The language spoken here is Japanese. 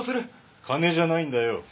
・金じゃないんだよ。